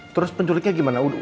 terus penculiknya gimana